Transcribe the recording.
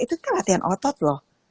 itu kan latihan otot loh